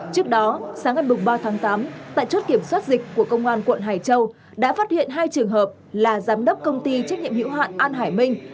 trước đó sáng ngày ba tháng tám tại chốt kiểm soát dịch của công an quận hải châu đã phát hiện hai trường hợp là giám đốc công ty trách nhiệm hiệu hạn an hải minh